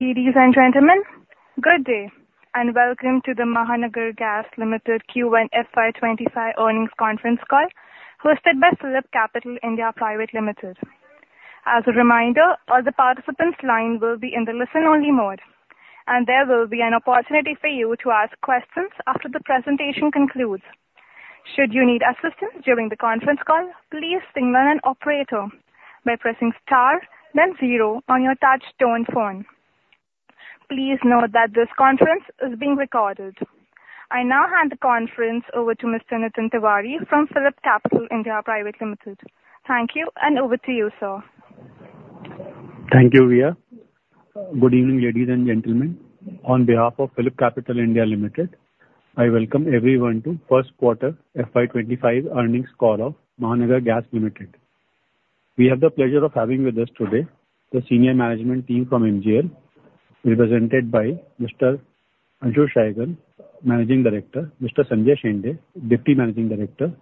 Ladies and gentlemen, good day, and welcome to the Mahanagar Gas Limited Q1 FY 2025 earnings conference call, hosted by PhillipCapital India Private Limited. As a reminder, all the participants line will be in the listen-only mode, and there will be an opportunity for you to ask questions after the presentation concludes. Should you need assistance during the conference call, please signal an operator by pressing star then zero on your touch tone phone. Please note that this conference is being recorded. I now hand the conference over to Mr. Nitin Tiwari from PhillipCapital India Private Limited. Thank you, and over to you, sir. Thank you, Via. Good evening, ladies and gentlemen. On behalf of PhillipCapital India Limited, I welcome everyone to first quarter FY 2025 earnings call of Mahanagar Gas Limited. We have the pleasure of having with us today the senior management team from MGL, represented by Mr. Ashu Shinghal, Managing Director, Mr. Sanjay Shende, Deputy Managing Director,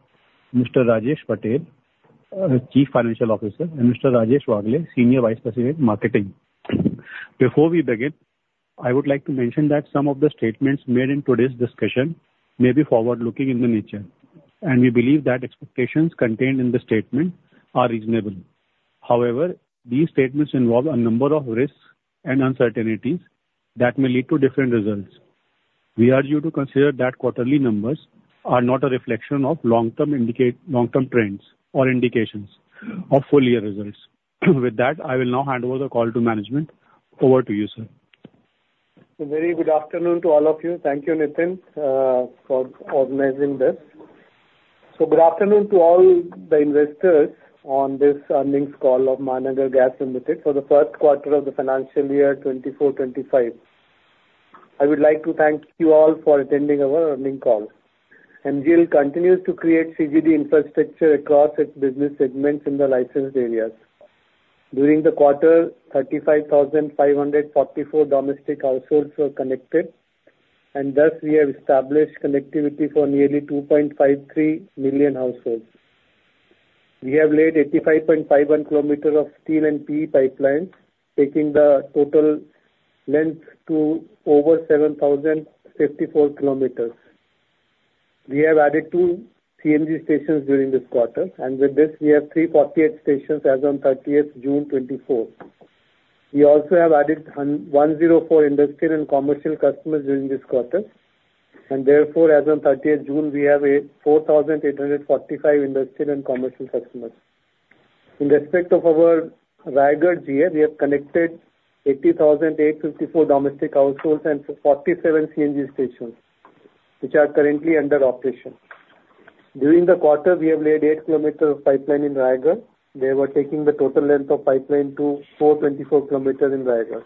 Mr. Rajesh Patel, Chief Financial Officer, and Mr. Rajesh Wagle, Senior Vice President, Marketing. Before we begin, I would like to mention that some of the statements made in today's discussion may be forward-looking in the nature, and we believe that expectations contained in the statement are reasonable. However, these statements involve a number of risks and uncertainties that may lead to different results. We urge you to consider that quarterly numbers are not a reflection of long-term trends or indications of full year results. With that, I will now hand over the call to management. Over to you, sir. A very good afternoon to all of you. Thank you, Nitin, for organizing this. So good afternoon to all the investors on this earnings call of Mahanagar Gas Limited for the first quarter of the financial year 2024-2025. I would like to thank you all for attending our earnings call. MGL continues to create CGD infrastructure across its business segments in the licensed areas. During the quarter, 35,544 domestic households were connected, and thus we have established connectivity for nearly 2.53 million households. We have laid 85.51 km of steel and PE pipelines, taking the total length to over 7,054 km. We have added 2 CNG stations during this quarter, and with this we have 348 stations as on thirtieth June 2024. We also have added 104 industrial and commercial customers during this quarter, and therefore, as on 30th June, we have 4,845 industrial and commercial customers. In respect of our Raigad GA, we have connected 80,854 domestic households and 47 CNG stations, which are currently under operation. During the quarter, we have laid 8 km of pipeline in Raigad. Thereby taking the total length of pipeline to 424 km in Raigad.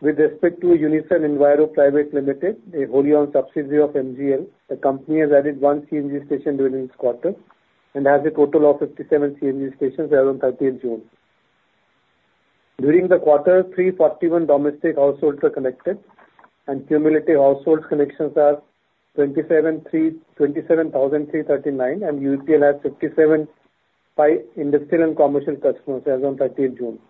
With respect to Unison Enviro Private Limited, a wholly owned subsidiary of MGL, the company has added one CNG station during this quarter and has a total of 57 CNG stations as on 30th June. During the quarter, 341 domestic households were connected, and cumulative household connections are 27,339, and UEPL has 575 industrial and commercial customers as on 30th June.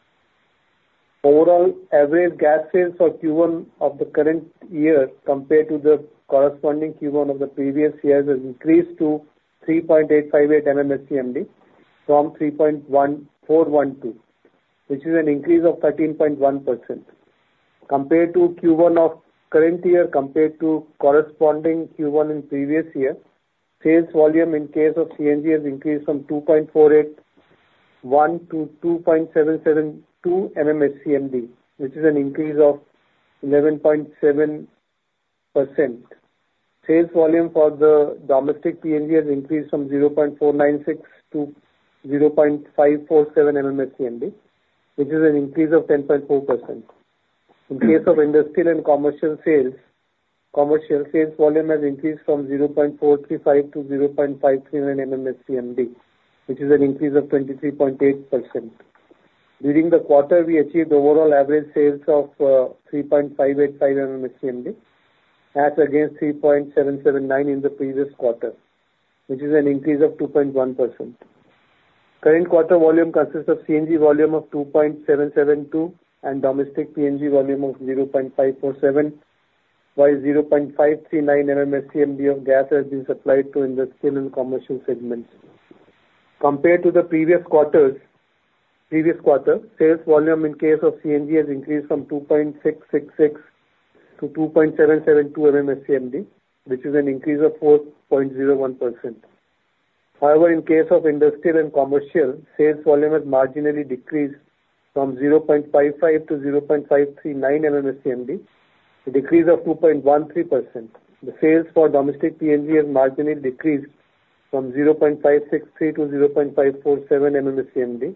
Overall, average gas sales for Q1 of the current year compared to the corresponding Q1 of the previous years has increased to 3.858 MMSCMD from 3.1412, which is an increase of 13.1%. Compared to Q1 of current year compared to corresponding Q1 in previous year, sales volume in case of CNG has increased from 2.481 to 2.772 MMSCMD, which is an increase of 11.7%. Sales volume for the domestic PNG has increased from 0.496 to 0.547 MMSCMD, which is an increase of 10.4%. In case of industrial and commercial sales, commercial sales volume has increased from 0.435 to 0.539 MMSCMD, which is an increase of 23.8%. During the quarter, we achieved overall average sales of 3.585 MMSCMD, as against 3.779 in the previous quarter, which is an increase of 2.1%. Current quarter volume consists of CNG volume of 2.772 and domestic PNG volume of 0.547, while 0.539 MMSCMD of gas has been supplied to industrial and commercial segments. Compared to the previous quarters, previous quarter, sales volume in case of CNG has increased from 2.666 to 2.772 MMSCMD, which is an increase of 4.01%. However, in case of industrial and commercial, sales volume has marginally decreased from 0.55 to 0.539 MMSCMD, a decrease of 2.13%. The sales for domestic PNG has marginally decreased from 0.563 to 0.547 MMSCMD,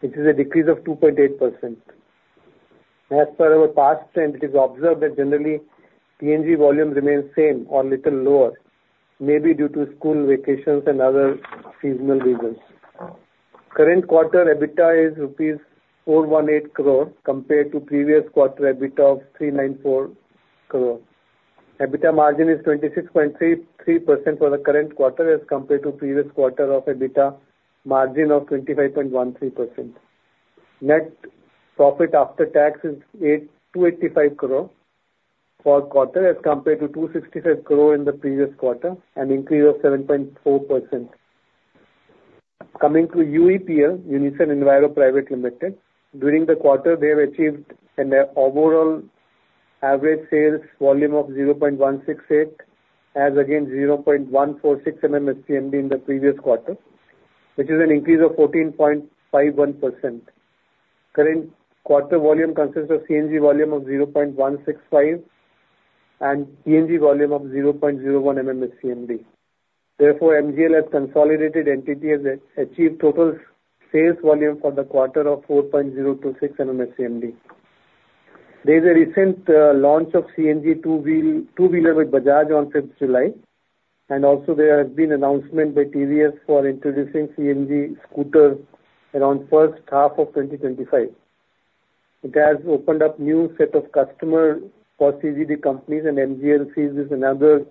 which is a decrease of 2.8%. As per our past trend, it is observed that generally, PNG volume remains same or little lower, maybe due to school vacations and other seasonal reasons. Current quarter, EBITDA is rupees 418 crore compared to previous quarter EBITDA of 394 crore. EBITDA margin is 26.33% for the current quarter as compared to previous quarter of EBITDA margin of 25.13%. Net profit after tax is 285 crore for the quarter, as compared to 265 crore in the previous quarter, an increase of 7.4%. Coming to UEPL, Unison Enviro Private Limited. During the quarter, they have achieved an overall average sales volume of 0.168, as against 0.146 MMSCMD in the previous quarter, which is an increase of 14.51%. Current quarter volume consists of CNG volume of 0.165, and PNG volume of 0.001 MMSCMD. Therefore, MGL as consolidated entity has achieved total sales volume for the quarter of 4.026 MMSCMD. There is a recent launch of CNG two wheel, two-wheeler with Bajaj on 5th July, and also there has been announcement by TVS for introducing CNG scooter around first half of 2025. It has opened up new set of customer for CGD companies, and MGL sees this another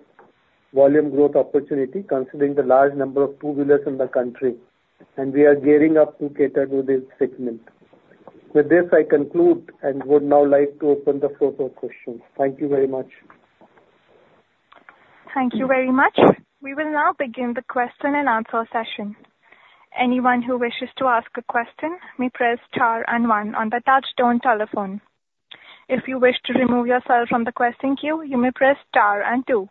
volume growth opportunity, considering the large number of two-wheelers in the country, and we are gearing up to cater to this segment. With this, I conclude and would now like to open the floor for questions. Thank you very much. Thank you very much. We will now begin the question and answer session. Anyone who wishes to ask a question may press star and one on the touch-tone telephone. If you wish to remove yourself from the question queue, you may press star and two.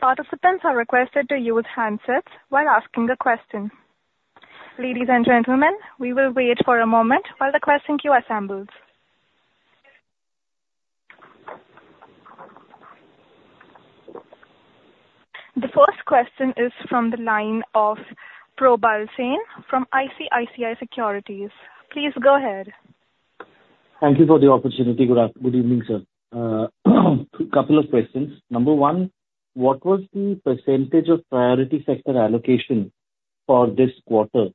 Participants are requested to use handsets while asking a question. Ladies and gentlemen, we will wait for a moment while the question queue assembles. The first question is from the line of Probal Sen, from ICICI Securities. Please go ahead. Thank you for the opportunity. Good evening, sir. Couple of questions. Number one, what was the percentage of priority sector allocation for this quarter?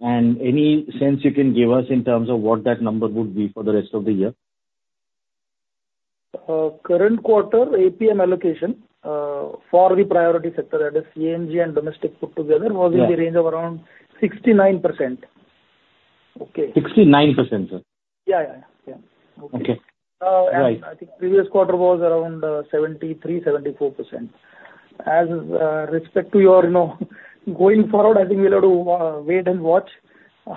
And any sense you can give us in terms of what that number would be for the rest of the year? Current quarter APM allocation, for the priority sector, that is CNG and domestic put together- Yeah. was in the range of around 69%. Okay. 69%, sir? Yeah, yeah, yeah. Yeah. Okay. Uh- Right. I think previous quarter was around 73%-74%. As respect to your, you know, going forward, I think we'll have to wait and watch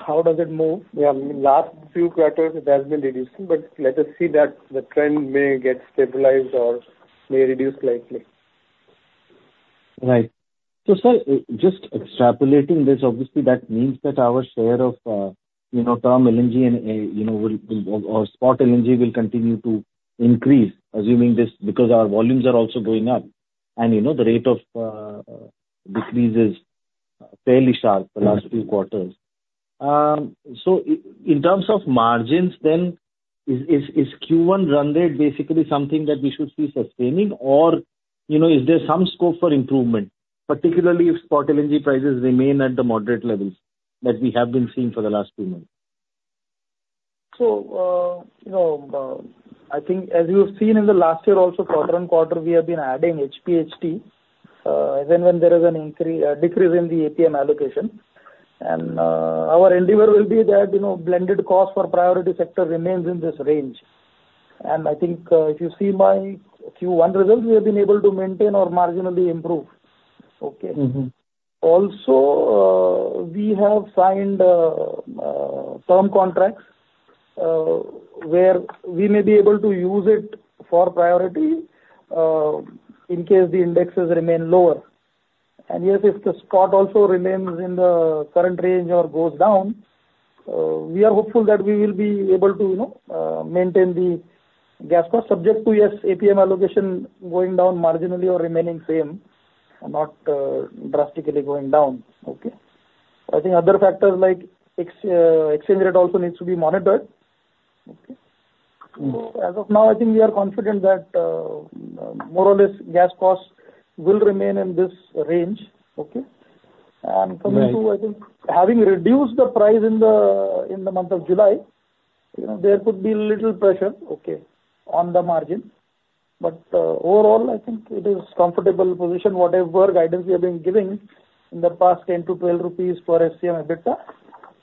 how does it move. Yeah, last few quarters it has been reducing, but let us see that the trend may get stabilized or may reduce slightly. Right. So, sir, just extrapolating this, obviously, that means that our share of, you know, term LNG and, you know, will, or spot LNG will continue to increase, assuming this, because our volumes are also going up. And, you know, the rate of decrease is fairly sharp the last few quarters. So in terms of margins then, is Q1 run rate basically something that we should be sustaining? Or, you know, is there some scope for improvement, particularly if spot LNG prices remain at the moderate levels that we have been seeing for the last two months? So, you know, I think as you've seen in the last year also, quarter on quarter, we have been adding HPHT, even when there is a decrease in the APM allocation. And, our endeavor will be that, you know, blended cost for priority sector remains in this range. And I think, if you see my Q1 results, we have been able to maintain or marginally improve. Okay? Mm-hmm. Also, we have signed term contracts where we may be able to use it for priority in case the indexes remain lower. And yes, if the spot also remains in the current range or goes down, we are hopeful that we will be able to, you know, maintain the gas cost, subject to, yes, APM allocation going down marginally or remaining same, not drastically going down. Okay? I think other factors like exchange rate also needs to be monitored. Okay. Mm. So as of now, I think we are confident that, more or less, gas costs will remain in this range. Okay? Right. Coming to, I think, having reduced the price in the, in the month of July, you know, there could be little pressure, okay, on the margin. But, overall, I think it is comfortable position. Whatever guidance we have been giving in the past, 10-12 rupees per SCM EBITDA,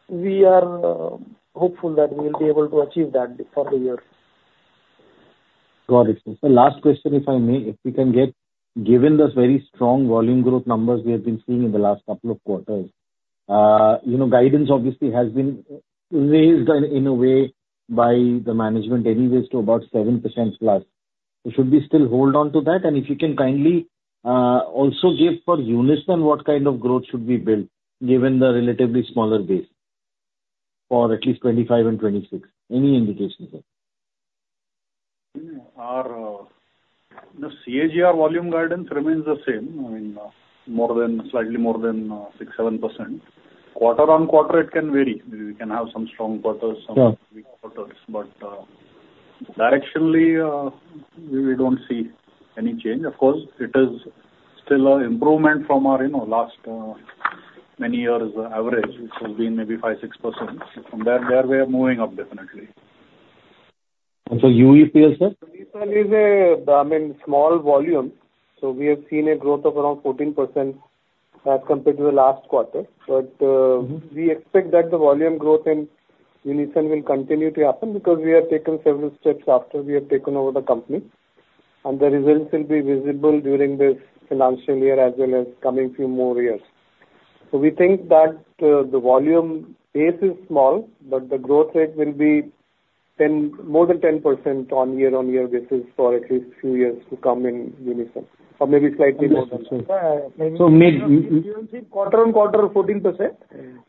we are, hopeful that we will be able to achieve that for the year. Got it. So last question, if I may, if we can get, given the very strong volume growth numbers we have been seeing in the last couple of quarters, you know, guidance obviously has been raised in a way by the management anyways to about 7%+. So should we still hold on to that? And if you can kindly also give for Unison, what kind of growth should we build given the relatively smaller base for at least 2025 and 2026? Any indication, sir. Our, the CAGR volume guidance remains the same, I mean, more than slightly more than 6%-7%. Quarter-on-quarter, it can vary. We can have some strong quarters- Yeah... some weak quarters, but, directionally, we, we don't see any change. Of course, it is still a improvement from our, you know, last, many years average, which has been maybe 5%-6%. From there, there we are moving up definitely. And so UEPL, sir? Unison is, I mean, small volume, so we have seen a growth of around 14% as compared to the last quarter. But, Mm-hmm. We expect that the volume growth in Unison will continue to happen because we have taken several steps after we have taken over the company, and the results will be visible during this financial year as well as coming few more years. So we think that the volume base is small, but the growth rate will be 10, more than 10% on year-on-year basis for at least few years to come in Unison, or maybe slightly more than that. So mid- You will see quarter-on-quarter, 14%.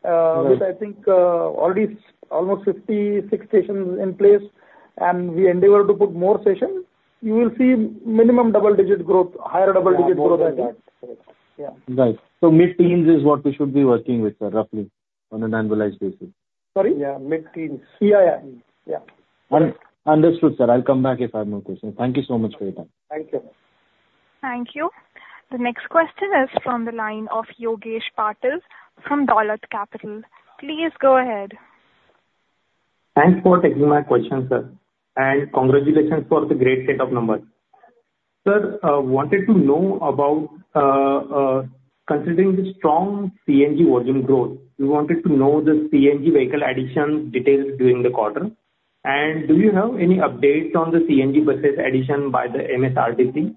Right. I think already almost 56 stations in place, and we endeavor to put more stations. You will see minimum double digit growth, higher double digit growth. More than that, correct. Yeah. Right. So mid-teens is what we should be working with, sir, roughly, on an annualized basis? Sorry? Yeah, mid-teens. Yeah, yeah. Yeah. Understood, sir. I'll come back if I have more questions. Thank you so much for your time. Thank you. Thank you. The next question is from the line of Yogesh Patil from Dolat Capital. Please go ahead. Thanks for taking my question, sir, and congratulations for the great set of numbers. Sir, I wanted to know about, considering the strong CNG volume growth, we wanted to know the CNG vehicle addition details during the quarter. Do you have any updates on the CNG buses addition by the MSRTC?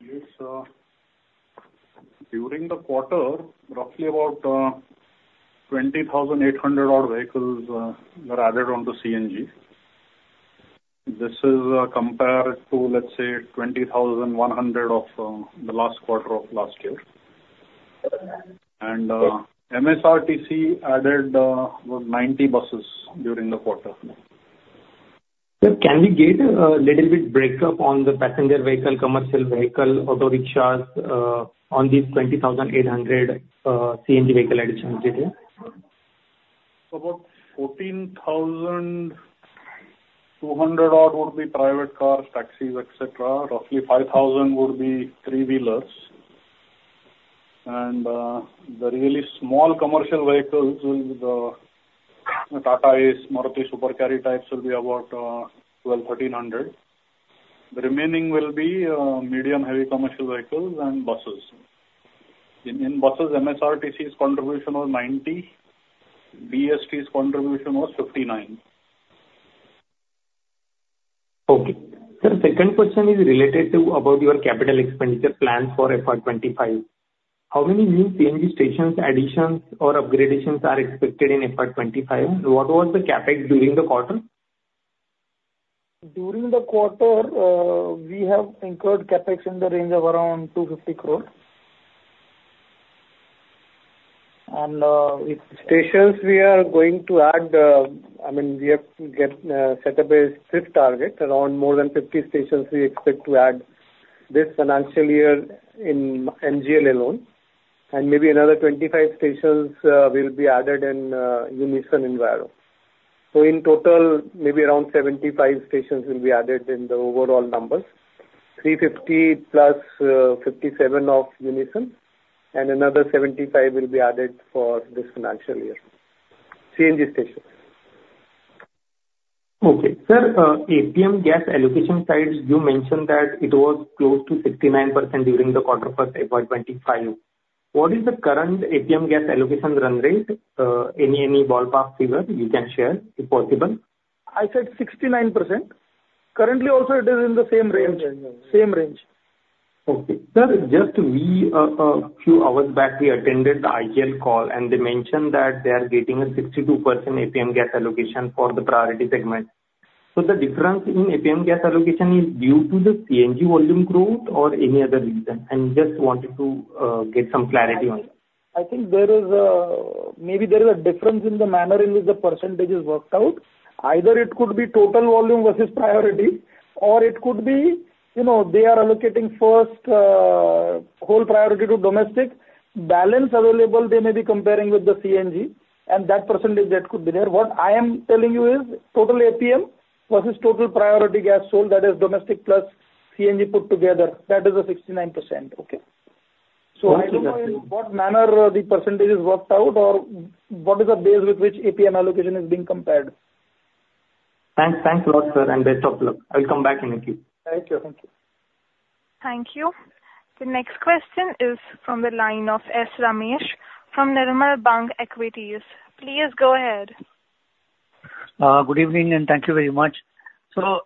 Yes. During the quarter, roughly about 20,800 odd vehicles were added on to CNG. This is compared to, let's say, 20,100 of the last quarter of last year. And MSRTC added about 90 buses during the quarter. Sir, can we get a little bit breakup on the passenger vehicle, commercial vehicle, autorickshaws, on these 20,800 CNG vehicle addition details? So about 14,200 odd would be private cars, taxis, et cetera. Roughly 5,000 would be three-wheelers. The really small commercial vehicles will be the Tata Ace, Maruti Super Carry types will be about 1,200, 1,300. The remaining will be medium, heavy commercial vehicles and buses. In buses, MSRTC's contribution was 90, BEST's contribution was 59. Okay. Sir, second question is related to about your capital expenditure plan for FY 2025. How many new CNG stations, additions or upgradations are expected in FY 2025? What was the CapEx during the quarter? During the quarter, we have incurred CapEx in the range of around 250 crore. With stations, we are going to add, I mean, we have set up a strict target. Around more than 50 stations we expect to add this financial year in MGL alone, and maybe another 25 stations will be added in Unison Enviro. So in total, maybe around 75 stations will be added in the overall numbers. 350 plus 57 of Unison, and another 75 will be added for this financial year. CNG stations. Okay. Sir, APM gas allocation sides, you mentioned that it was close to 69% during the quarter for FY25. What is the current APM gas allocation run rate? Any ballpark figures you can share, if possible? I said 69%. Currently also it is in the same range. Okay. Same range. Okay. Sir, just we, few hours back, we attended the IGL call, and they mentioned that they are getting a 62% APM gas allocation for the priority segment. So the difference in APM gas allocation is due to the CNG volume growth or any other reason? I just wanted to, get some clarity on that. I think there is a... maybe there is a difference in the manner in which the percentage is worked out. Either it could be total volume versus priority, or it could be, you know, they are allocating first, whole priority to domestic. Balance available, they may be comparing with the CNG, and that percentage, that could be there. What I am telling you is total APM versus total priority gas sold, that is domestic plus CNG put together, that is a 69%. Okay? Okay, got it. So I don't know in what manner the percentage is worked out or what is the base with which APM allocation is being compared? Thanks. Thanks a lot, sir, and best of luck. I'll come back in the queue. Thank you. Thank you. Thank you. The next question is from the line of S. Ramesh, from Nirmal Bang Equities. Please go ahead. Good evening, and thank you very much. So,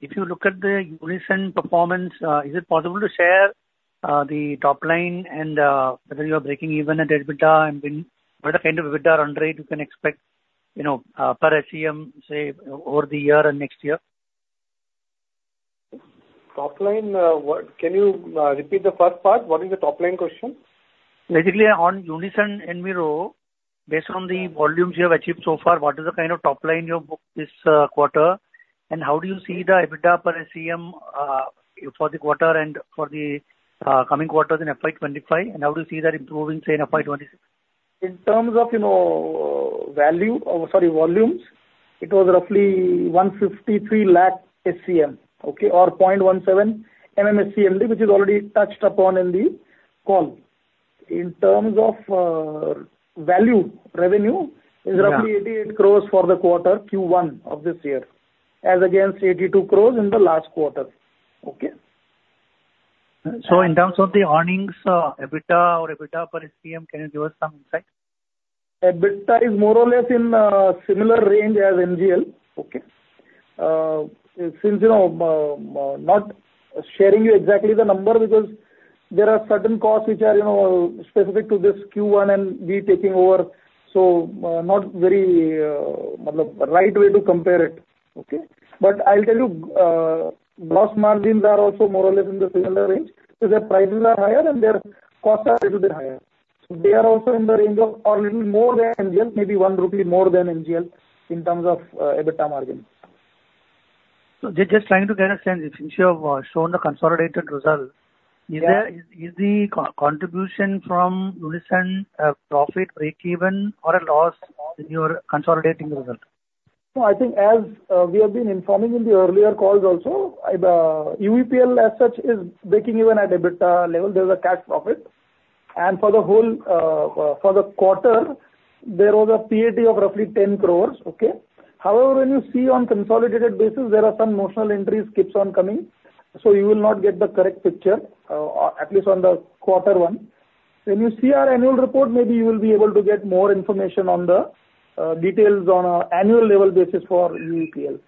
if you look at the Unison performance, is it possible to share the top line and whether you are breaking even at EBITDA and then what kind of EBITDA run rate you can expect, you know, per SCM, say, over the year and next year? Top line, what? Can you repeat the first part? What is the top line question? Basically, on Unison and Miro, based on the volumes you have achieved so far, what is the kind of top line you have booked this quarter? And how do you see the EBITDA per SCM for the quarter and for the coming quarters in FY 2025? And how do you see that improving, say, in FY 2020. ...In terms of, you know, value, or sorry, volumes, it was roughly 153,000 SCM, okay? Or 0.17 MMSCM, which is already touched upon in the call. In terms of, value, revenue- Yeah. - is roughly 88 crore for the quarter Q1 of this year, as against 82 crore in the last quarter. Okay? In terms of the earnings, EBITDA or EBITDA per SCM, can you give us some insight? EBITDA is more or less in similar range as MGL, okay? Since, you know, not sharing you exactly the number, because there are certain costs which are, you know, specific to this Q1 and we taking over, so, not very right way to compare it, okay? But I'll tell you, gross margins are also more or less in the similar range. So their prices are higher and their costs are a little bit higher. So they are also in the range of, or little more than MGL, maybe 1 rupee more than MGL in terms of, EBITDA margin. So just, just trying to get a sense, since you have shown the consolidated result- Yeah. Is there the co-contribution from Unison, profit breakeven or a loss in your consolidating result? No, I think as, we have been informing in the earlier calls also, either UEPL as such is breaking even at EBITDA level, there is a cash profit. And for the whole, for the quarter, there was a PAT of roughly 10 crore, okay? However, when you see on consolidated basis, there are some notional entries keeps on coming, so you will not get the correct picture, or at least on the quarter one. When you see our annual report, maybe you will be able to get more information on the, details on a annual level basis for UEPL.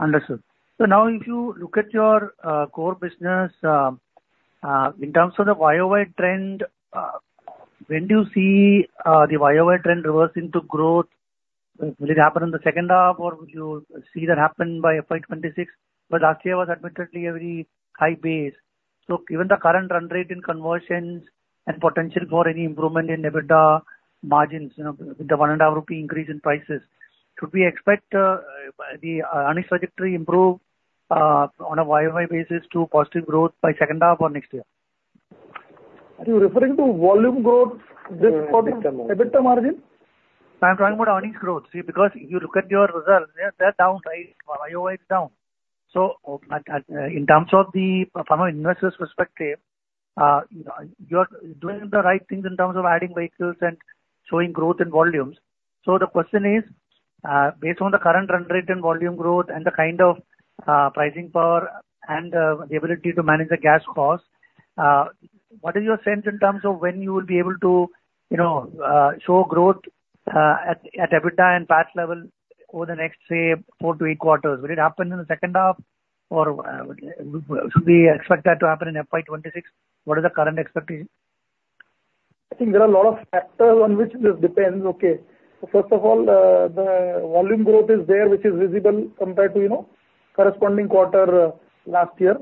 Understood. So now, if you look at your core business, in terms of the YOY trend, when do you see the YOY trend reversing to growth? Will it happen in the second half, or would you see that happen by FY 2026? Last year was admittedly a very high base. Given the current run rate in conversions and potential for any improvement in EBITDA margins, you know, with the 1.5 rupee increase in prices, should we expect the earnings trajectory improve on a YOY basis to positive growth by second half or next year? Are you referring to volume growth this quarter- Yeah, EBITDA margin. EBITDA margin? I'm talking about earnings growth. See, because if you look at your results, they're down, right? YOY is down. So, in terms of the from an investor's perspective, you are doing the right things in terms of adding vehicles and showing growth in volumes. So the question is, based on the current run rate and volume growth and the kind of pricing power and the ability to manage the gas cost, what is your sense in terms of when you will be able to, you know, show growth at EBITDA and PAT level over the next, say, 4 quarters-8 quarters? Will it happen in the second half, or should we expect that to happen in FY 2026? What is the current expectation? I think there are a lot of factors on which this depends, okay. So first of all, the volume growth is there, which is visible compared to, you know, corresponding quarter last year.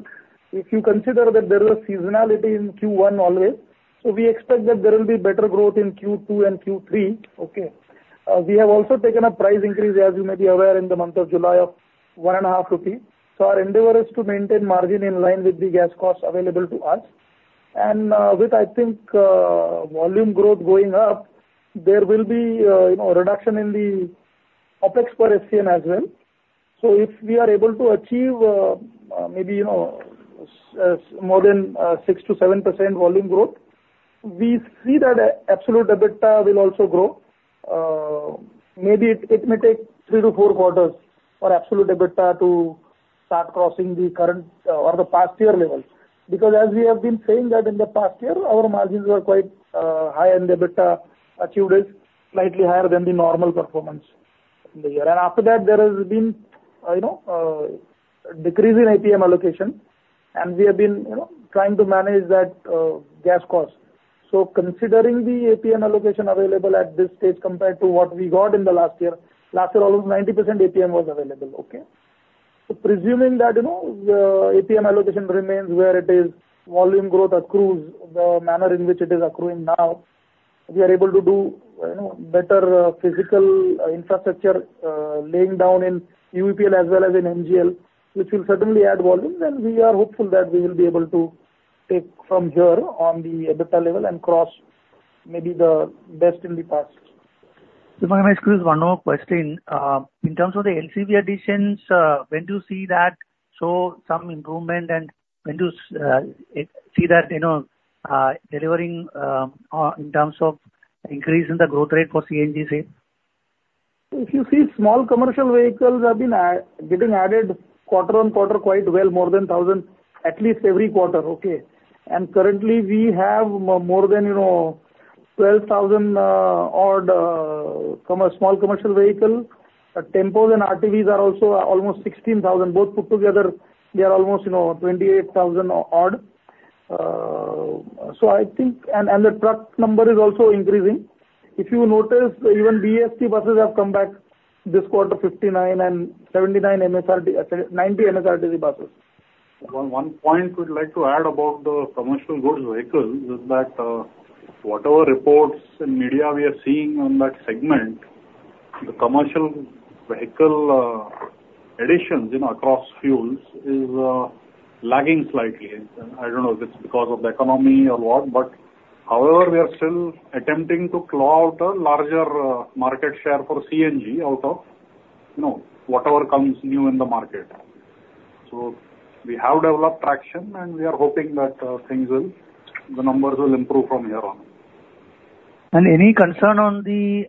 If you consider that there is a seasonality in Q1 always, so we expect that there will be better growth in Q2 and Q3. Okay? We have also taken a price increase, as you may be aware, in the month of July of 1.5 rupee. So our endeavor is to maintain margin in line with the gas costs available to us. And, with, I think, volume growth going up, there will be, you know, a reduction in the OpEx per SCM as well. So if we are able to achieve, maybe, you know, more than 6%-7% volume growth, we see that absolute EBITDA will also grow. Maybe it may take 3 quarters-4 quarters for absolute EBITDA to start crossing the current, or the past year level. Because as we have been saying that in the past year, our margins were quite high, and the EBITDA achieved is slightly higher than the normal performance in the year. And after that, there has been, you know, decrease in APM allocation, and we have been, you know, trying to manage that gas cost. So considering the APM allocation available at this stage compared to what we got in the last year, last year, almost 90% APM was available, okay? So presuming that, you know, the APM allocation remains where it is, volume growth accrues the manner in which it is accruing now, we are able to do, you know, better physical infrastructure laying down in UEPL as well as in MGL, which will certainly add volume, then we are hopeful that we will be able to take from here on the EBITDA level and cross maybe the best in the past. So my next is one more question. In terms of the LCV additions, when do you see that show some improvement, and when do you see that, you know, delivering in terms of increase in the growth rate for CNG sales? If you see, small commercial vehicles have been getting added quarter on quarter, quite well, more than 1,000, at least every quarter, okay? And currently, we have more than, you know, 12,000 odd small commercial vehicles. Tempos and RTVs are also almost 16,000. Both put together, they are almost, you know, 28,000 odd. So I think... And, and the truck number is also increasing. If you notice, even BEST buses have come back this quarter, 59 and 79 MSRTC, 90 MSRTC buses. One point we'd like to add about the commercial goods vehicles is that, whatever reports in media we are seeing on that segment, the commercial vehicle additions, you know, across fuels is lagging slightly. I don't know if it's because of the economy or what, but however, we are still attempting to claw out a larger market share for CNG out of, you know, whatever comes new in the market. So we have developed traction, and we are hoping that things will, the numbers will improve from here on. Any concern on the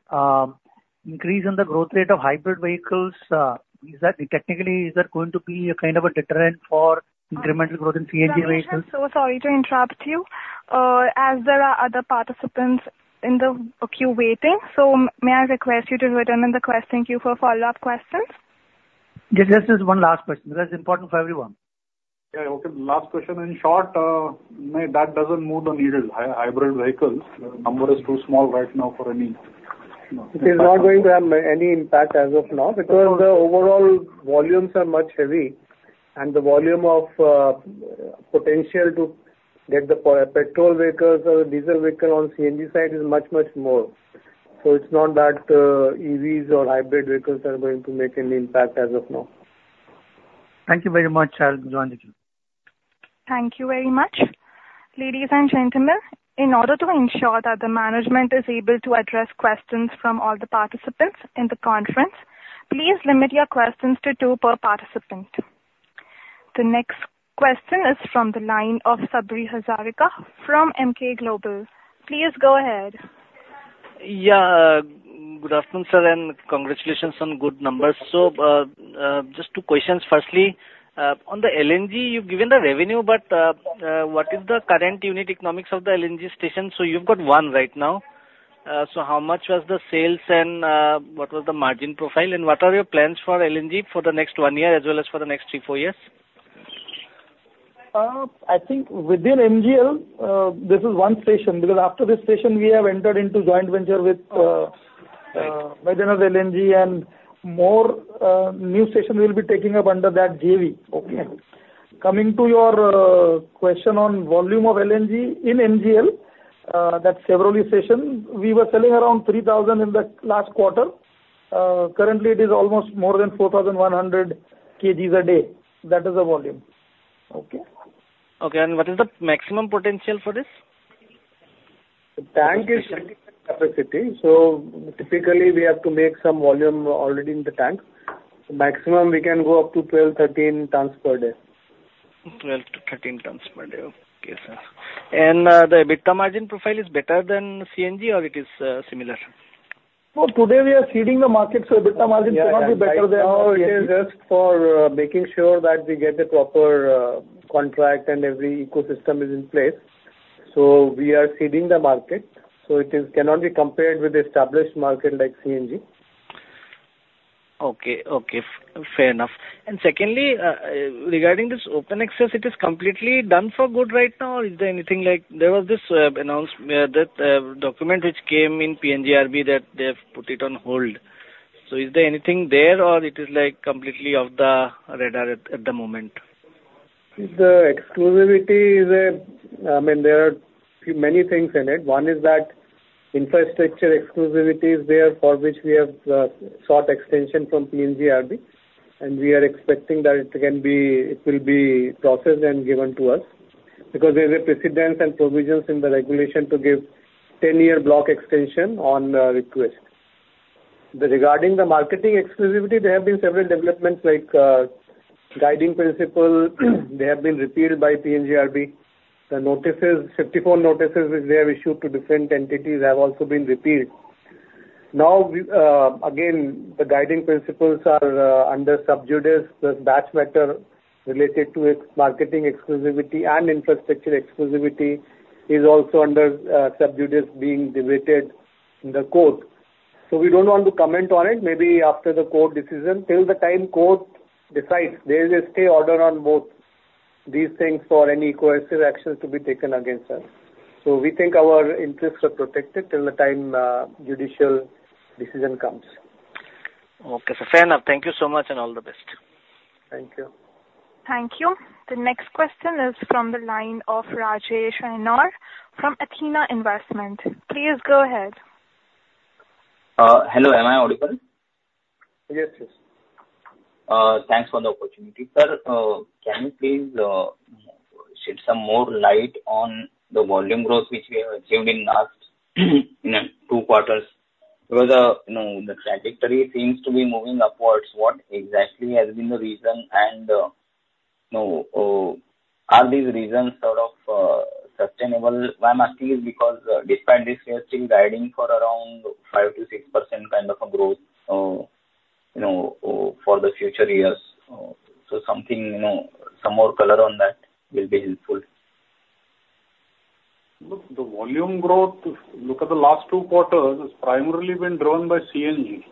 increase in the growth rate of hybrid vehicles? Is that, technically, is that going to be a kind of a deterrent for incremental growth in CNG vehicles? So sorry to interrupt you, as there are other participants in the queue waiting, so may I request you to determine the question queue for follow-up questions? Yes, just one last question, that is important for everyone. Yeah, okay. Last question. In short, no, that doesn't move the needle. Hybrid vehicles, the number is too small right now for any, you know, It is not going to have any impact as of now, because the overall volumes are much heavy, and the volume of potential to get the petrol vehicles or diesel vehicle on CNG side is much, much more. So it's not that EVs or hybrid vehicles are going to make any impact as of now. Thank you very much. I'll join the queue. Thank you very much. Ladies and gentlemen, in order to ensure that the management is able to address questions from all the participants in the conference, please limit your questions to two per participant. The next question is from the line of Sabri Hazarika from Emkay Global. Please go ahead. Yeah, good afternoon, sir, and congratulations on good numbers. So, just two questions. Firstly, on the LNG, you've given the revenue, but, what is the current unit economics of the LNG station? So you've got one right now. So how much was the sales and, what was the margin profile, and what are your plans for LNG for the next one year as well as for the next three, four years? I think within NGL, this is one station, because after this station we have entered into joint venture with Baidyanath LNG and more new station will be taking up under that JV. Okay. Coming to your question on volume of LNG in NGL, at several stations, we were selling around 3,000 in the last quarter. Currently it is almost more than 4,100 kgs a day. That is the volume. Okay? Okay, and what is the maximum potential for this? The tank is capacity, so typically we have to make some volume already in the tank. So maximum we can go up to 12 tons-13 tons per day. 12tons-13 tons per day. Okay, sir. And, the EBITDA margin profile is better than CNG or it is, similar? Well, today we are seeding the market, so EBITDA margin cannot be better than CNG. Now it is just for making sure that we get the proper contract and every ecosystem is in place. So we are seeding the market, so it is cannot be compared with established market like CNG. Okay. Okay, fair enough. And secondly, regarding this Open Access, it is completely done for good right now, or is there anything like... There was this announcement that document which came in PNGRB, that they have put it on hold. So is there anything there, or it is, like, completely off the radar at the moment? The exclusivity is a, I mean, there are many things in it. One is that infrastructure exclusivity is there, for which we have sought extension from PNGRB, and we are expecting that it can be, it will be processed and given to us, because there are precedents and provisions in the regulation to give ten-year block extension on request. Regarding the marketing exclusivity, there have been several developments like guiding principle. They have been repeated by PNGRB. The notices, 54 notices, which they have issued to different entities have also been repeated. Now, we again, the guiding principles are under sub judice. The batch matter related to its marketing exclusivity and infrastructure exclusivity is also under sub judice being debated in the court. So we don't want to comment on it. Maybe after the court decision, till the time court decides, there is a stay order on both these things for any coercive actions to be taken against us. So we think our interests are protected till the time, judicial decision comes. Okay, fair enough. Thank you so much, and all the best. Thank you. Thank you. The next question is from the line of Rajesh Aynor from Athena Investment. Please go ahead. Hello, am I audible? Yes, yes. Thanks for the opportunity. Sir, can you please shed some more light on the volume growth which we have achieved in last, in two quarters? Because, you know, the trajectory seems to be moving upwards. What exactly has been the reason, and, you know, are these reasons sort of sustainable? Why I'm asking is because, despite this, we are still guiding for around 5%-6% kind of a growth, you know, for the future years. So something, you know, some more color on that will be helpful. Look, the volume growth, look at the last two quarters, has primarily been driven by CNG.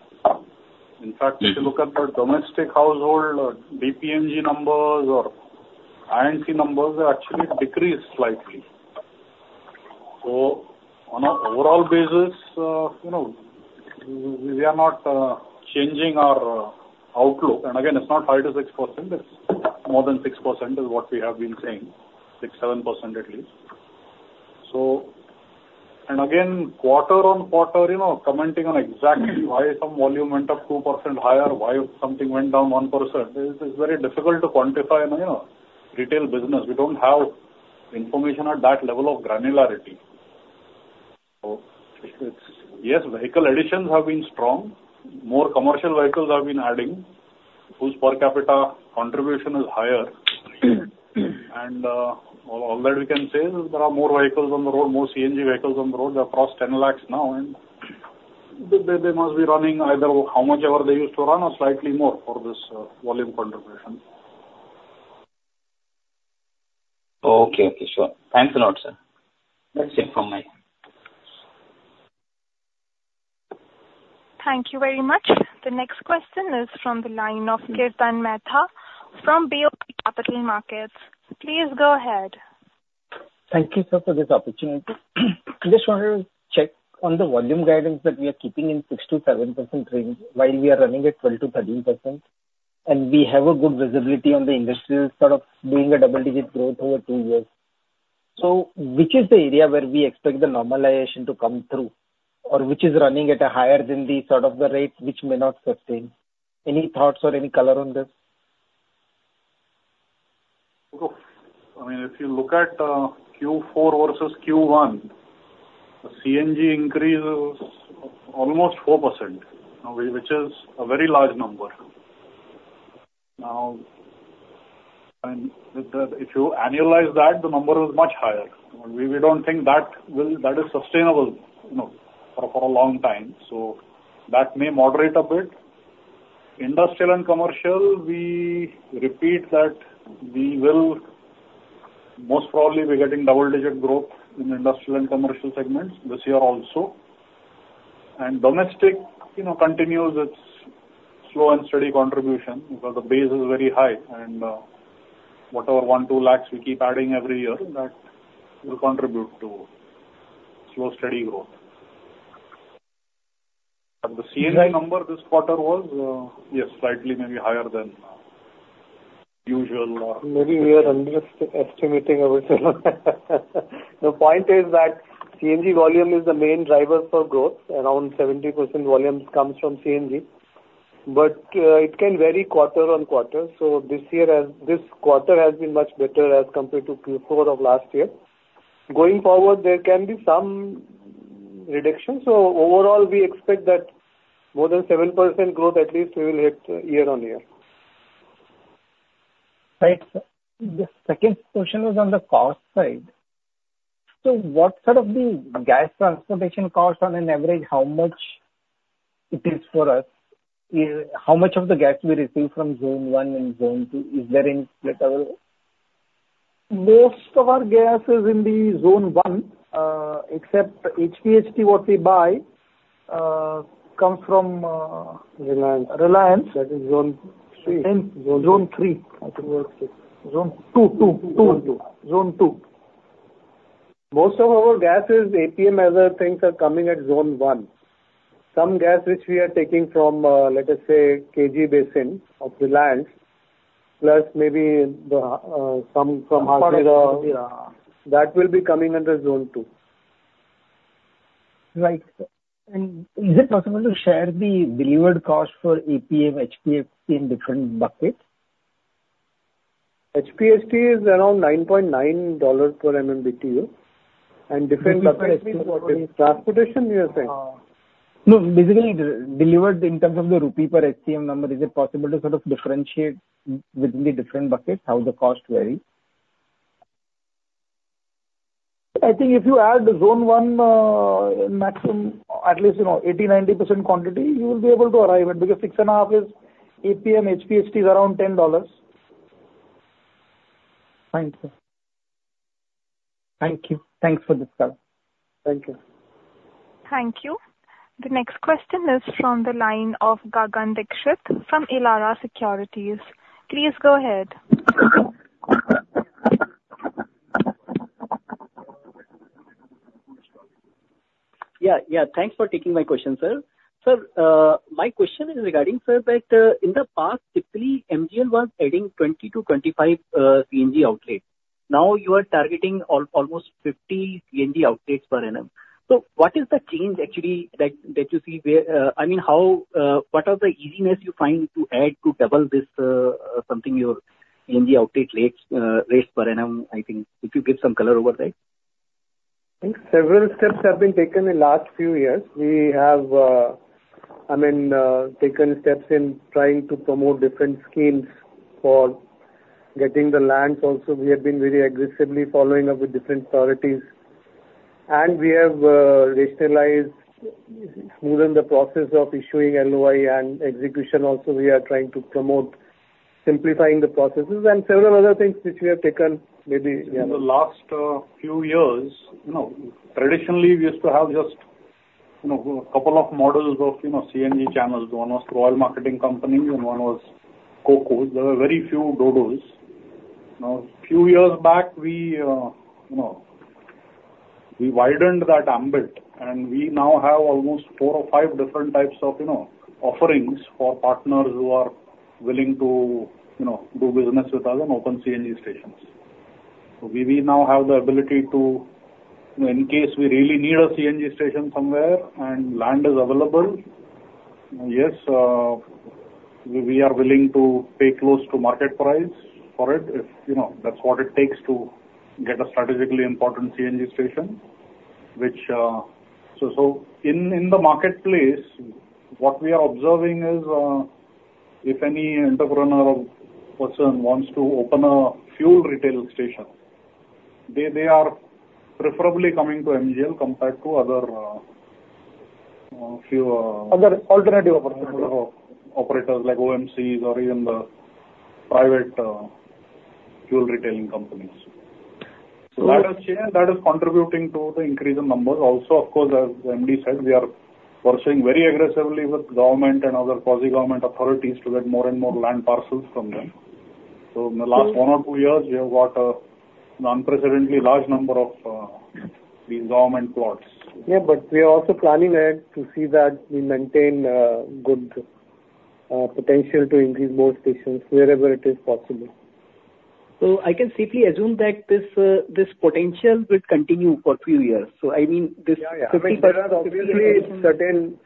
In fact- Mm-hmm. If you look at the domestic household or D-PNG numbers or INC numbers, they actually decreased slightly. So on an overall basis, you know, we are not changing our outlook. And again, it's not 5%-6%, it's more than 6% is what we have been saying, 6%-7% at least. So and again, quarter on quarter, you know, commenting on exactly why some volume went up 2% higher, why something went down 1%, it is very difficult to quantify, you know, retail business. We don't have information at that level of granularity. So it's yes, vehicle additions have been strong. More commercial vehicles have been adding, whose per capita contribution is higher. And all, all that we can say is there are more vehicles on the road, more CNG vehicles on the road. They've crossed 10 lakhs now, and they must be running either how much ever they used to run or slightly more for this volume contribution. Okay. Okay, sure. Thanks a lot, sir. That's it from my end. Thank you very much. The next question is from the line of Kirtan Mehta from BOB Capital Markets. Please go ahead. Thank you, sir, for this opportunity. Just wanted to check on the volume guidance that we are keeping in 6%-7% range, while we are running at 12%-13%, and we have a good visibility on the industrial sort of doing a double-digit growth over two years. So which is the area where we expect the normalization to come through, or which is running at a higher than the sort of the rate, which may not sustain? Any thoughts or any color on this? Look, I mean, if you look at Q4 versus Q1, the CNG increase is almost 4%, which is a very large number. Now with that, if you annualize that, the number is much higher. We don't think that is sustainable, you know, for a long time, so that may moderate a bit. Industrial and commercial, we repeat that we will most probably be getting double-digit growth in industrial and commercial segments this year also. And domestic, you know, continues its slow and steady contribution, because the base is very high, and whatever 1-2 lakhs we keep adding every year, that will contribute to slow, steady growth. And the CNG number this quarter was, yes, slightly maybe higher than usual. Maybe we are underestimating ourselves. The point is that CNG volume is the main driver for growth. Around 70% volumes comes from CNG, but it can vary quarter on quarter. So this quarter has been much better as compared to Q4 of last year. Going forward, there can be some reduction, so overall, we expect that more than 7% growth at least we will hit year-on-year. Right. The second question was on the cost side. So what sort of the gas transportation costs, on an average, how much it is for us? How much of the gas we receive from Zone 1 and Zone 2, is there any split available? Most of our gas is in the Zone 1, except HPHT what we buy comes from, Reliance. Reliance. That is Zone 3. Zone 3. I think Zone 6. Zone 2, 2, 2. Zone 2. Most of our gases, APM, as I think, are coming at Zone 1. Some gas, which we are taking from, let us say, KG Basin of Reliance, plus maybe the some from that will be coming under Zone 2. Right. Is it possible to share the delivered cost for APM, HPHT in different buckets? HPHT is around $9.9 per MMBTU, and different transportation, we are saying. No, basically, delivered in terms of the INR per HTM number, is it possible to sort of differentiate within the different buckets, how the cost vary? I think if you add the Zone 1, maximum, at least you know, 80%-90% quantity, you will be able to arrive at, because 6.5 is APM, HPHT is around $10. Fine, sir. Thank you. Thanks for discussing. Thank you. Thank you. The next question is from the line of Gagan Dixit from Elara Securities. Please go ahead. Yeah, yeah, thanks for taking my question, sir. Sir, my question is regarding, sir, that, in the past, typically, MGL was adding 20 CNG-25 CNG outlets. Now you are targeting almost 50 CNG outlets per annum. So what is the change actually that you see where, I mean, how, what are the easiness you find to add to double this, something you're in the outlet rates, rates per annum, I think, if you give some color over that? Several steps have been taken in last few years. We have taken steps in trying to promote different schemes for getting the lands also. We have been very aggressively following up with different authorities. And we have rationalized, smoothened the process of issuing LOI and execution also we are trying to promote, simplifying the processes and several other things which we have taken maybe, yeah. In the last few years, you know, traditionally we used to have just, you know, a couple of models of, you know, CNG channels. One was oil marketing company and one was COCO. There were very few DODOs. Now, a few years back, we, you know, we widened that ambit, and we now have almost four or five different types of, you know, offerings for partners who are willing to, you know, do business with us and open CNG stations. So we, we now have the ability to, in case we really need a CNG station somewhere and land is available, yes, we, we are willing to pay close to market price for it, if, you know, that's what it takes to get a strategically important CNG station, which... So in the marketplace, what we are observing is if any entrepreneur or person wants to open a fuel retail station, they are preferably coming to MGL compared to other few, Other alternative operators. Operators like OMC's or even the private, fuel retailing companies. So that is contributing to the increase in numbers. Also, of course, as the MD said, we are pursuing very aggressively with government and other quasi-government authorities to get more and more land parcels from them. So in the last one or two years, we have got an unprecedentedly large number of, the government plots. Yeah, but we are also planning ahead to see that we maintain good potential to increase more stations wherever it is possible. So I can safely assume that this, this potential will continue for few years. So I mean, this 50%- Yeah, yeah. There are certainly certain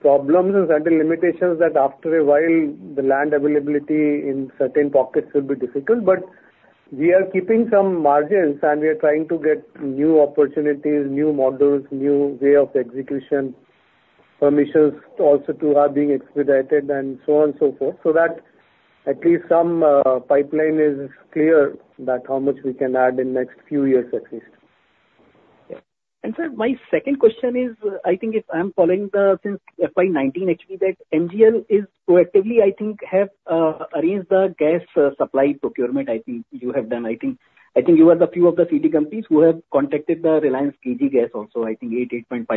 problems and certain limitations, that after a while, the land availability in certain pockets will be difficult. But we are keeping some margins, and we are trying to get new opportunities, new models, new way of execution, permissions also to are being expedited and so on and so forth. So that at least some pipeline is clear that how much we can add in next few years at least. Sir, my second question is, I think if I'm following since FY 2019 actually, that MGL is proactively, I think, have arranged the gas supply procurement. I think you have done, I think. I think you are one of the few of the CGD companies who have contracted the Reliance KG gas also, I think 8.5%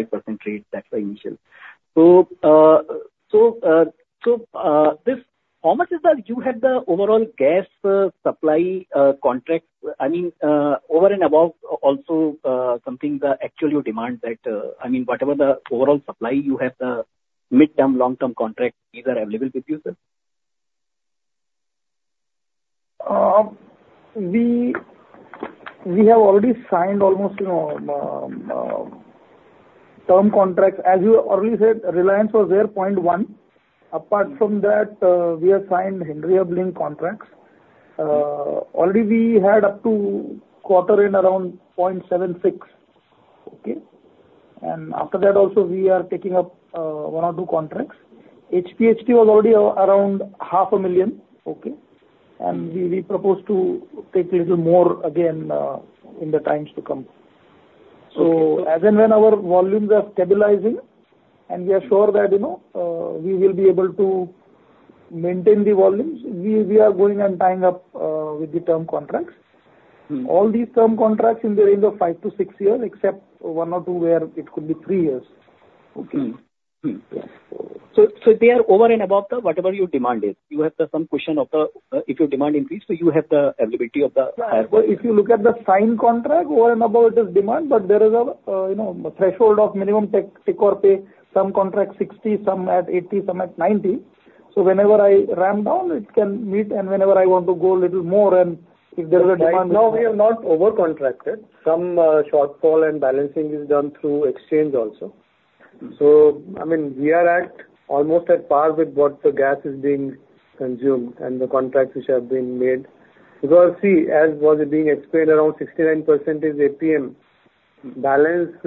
rate, that's the initial. So, this, how much is that you have the overall gas supply contract? I mean, over and above also, something that actually you demand that, I mean, whatever the overall supply you have, the mid-term, long-term contract, these are available with you, sir? We have already signed almost, you know, term contracts. As you already said, Reliance was there, 0.1. Apart from that, we have signed Henry Hub link contracts. Already we had up to quarter in around 0.76, okay? And after that also, we are taking up 1 or 2 contracts. HPHT was already around half a million, okay? And we propose to take little more again in the times to come. So as and when our volumes are stabilizing and we are sure that, you know, we will be able to maintain the volumes, we are going and tying up with the term contracts. Mm. All these term contracts in the range of 5-6 years, except 1 or 2, where it could be 3 years. Okay. So, so they are over and above the, whatever your demand is, you have the some cushion of the, if your demand increase, so you have the availability of the- If you look at the signed contract, over and above it is demand, but there is a, you know, threshold of minimum take, take or pay. Some contracts 60, some at 80, some at 90. So whenever I ramp down, it can meet, and whenever I want to go a little more, and if there is a demand. Now, we are not over-contracted. Some shortfall and balancing is done through exchange also. So, I mean, we are at almost at par with what the gas is being consumed and the contracts which have been made. Because, see, as was being explained, around 69% is APM. Balance,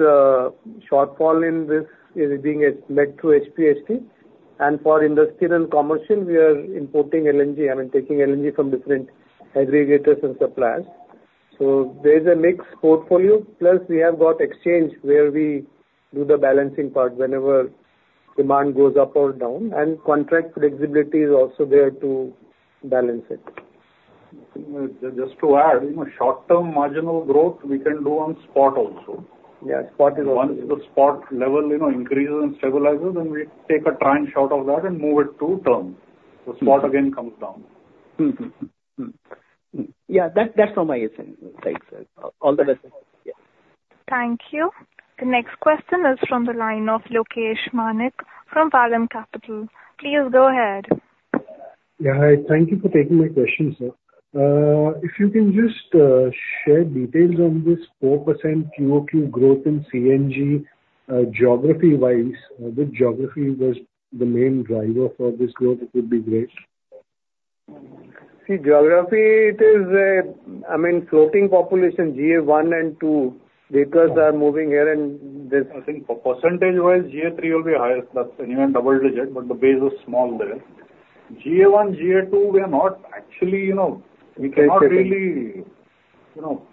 shortfall in this is being met through HPHT. And for industrial and commercial, we are importing LNG, I mean taking LNG from different aggregators and suppliers. So there is a mixed portfolio. Plus, we have got exchange where we do the balancing part whenever demand goes up or down, and contract flexibility is also there to balance it. Just to add, you know, short-term marginal growth we can do on spot also. Yeah, spot is also- Once the spot level, you know, increases and stabilizes, then we take a try and shot of that and move it to term. The spot again comes down. Mm-hmm. Mm. Yeah, that, that's all my question. Thanks, sir. All the best. Thank you. The next question is from the line of Lokesh Manik from Vallum Capital. Please go ahead. Yeah, hi. Thank you for taking my question, sir. If you can just share details on this 4% QOQ growth in CNG, geography-wise, which geography was the main driver for this growth? It would be great. See, geography, it is, I mean, floating population, GA 1 and 2, vehicles are moving here and there. I think percentage-wise, GA three will be highest, that's even double digit, but the base is small there. GA one, GA two, we are not actually, you know, we cannot really, you know,